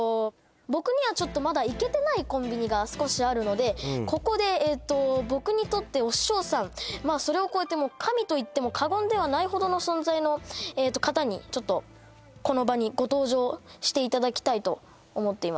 僕にはちょっとまだ行けてないコンビニが少しあるのでここで僕にとってお師匠さんそれを超えて神と言っても過言ではないほどの存在の方にちょっとこの場にご登場していただきたいと思っています